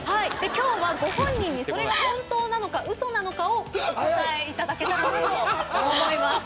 今日はご本人にそれが本当なのか嘘なのかをお答えいただけたらと思います。